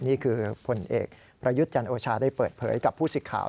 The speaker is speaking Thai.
นี่คือผลเอกประยุทธ์จันโอชาได้เปิดเผยกับผู้สิทธิ์ข่าว